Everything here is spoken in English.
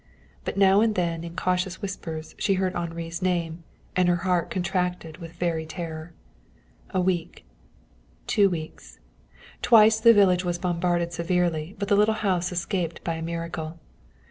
But now and then in cautious whispers she heard Henri's name, and her heart contracted with very terror. A week. Two weeks. Twice the village was bombarded severely, but the little house escaped by a miracle.